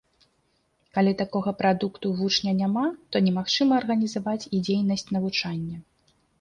Калі такога прадукту вучня няма, то немагчыма арганізаваць і дзейнасць навучання.